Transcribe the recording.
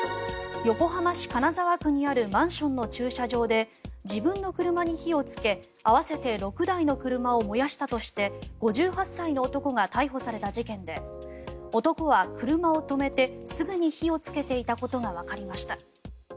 横浜市金沢区にあるマンションの駐車場で自分の車に火をつけ合わせて６台の車を燃やしたとして５８歳の男が逮捕された事件で男は、車を止めてすぐに火をつけていたことがわかりました。